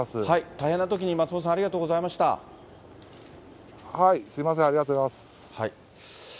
大変なときに、すみません、ありがとうございます。